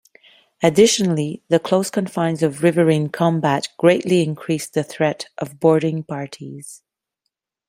Additionally, the close confines of riverine combat greatly increased the threat of boarding parties.